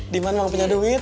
diman mau punya duit